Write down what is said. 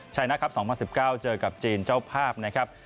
ชัยนะครับ๒๐๑๙เจอกับจีนเจ้าภาพนะครับ